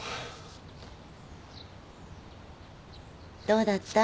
どうだった？